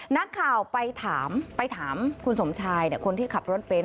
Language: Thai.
นักข่าวไปถามไปถามคุณสมชายคนที่ขับรถเบนท